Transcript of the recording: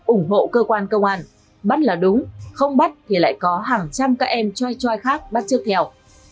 ủng hộ cơ quan công an bắt là đúng không bắt thì lại có hàng trăm các em choi choi khác bắt trước theo